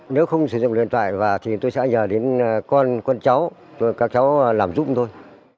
nếu không sử dụng liên toại thì tôi sẽ nhờ đến con cháu các cháu làm giúp tôi